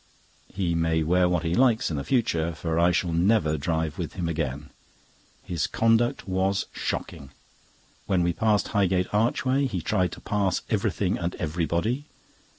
He may wear what he likes in the future, for I shall never drive with him again. His conduct was shocking. When we passed Highgate Archway, he tried to pass everything and everybody.